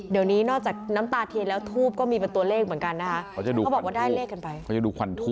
เดี๋ยวนี้นอกจากน้ำตาเทียดแล้วทูพก็มีตัวเลขเหมือนกัน